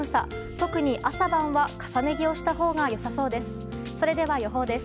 特に朝晩は、重ね着をしたほうが良さそうです。